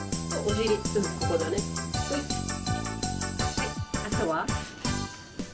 はいあとは？